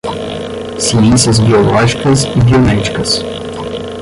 Ciências biológicas e biomédicas